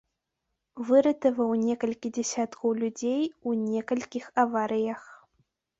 Выратаваў некалькі дзясяткаў людзей у некалькіх аварыях.